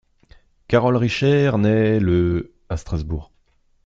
Carole Richert naît le à Strasbourg.